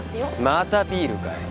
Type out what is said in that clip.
またビールかよ